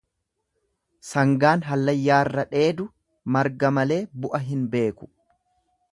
Sangaan hallayyaarra dheedu marga malee bu'a hin beeku.